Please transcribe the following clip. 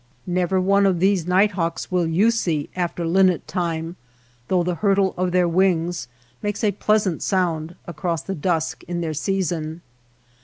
Never one of these nighthawks will you see after linnet time, though the hurtle of their wings makes a pleasant sound across the dusk in their season.